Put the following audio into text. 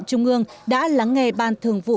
trung ương đã lắng nghe ban thường vụ